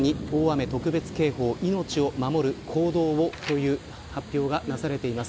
福岡に大雨特別警報命を守る行動をという発表がなされています。